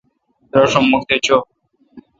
دراشوم مکھ تہ چو۔